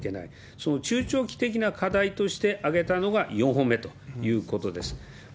その中長期的な課題として挙げたのが４本目ということです。